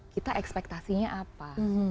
kita ekspektasinya apa